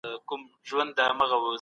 غيبت د زړه د توروالي سبب دی.